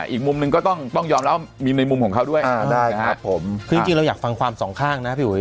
อีกมุมหนึ่งก็ต้องยอมรับมีในมุมของเขาด้วยอ่าได้ครับผมคือจริงเราอยากฟังความสองข้างนะพี่อุ๋